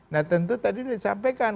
nah tentu tadi disampaikan